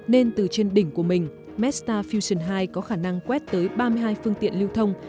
nên từ trên đỉnh của mình mesta fusion hai có khả năng quét tới ba mươi hai phương tiện lưu thông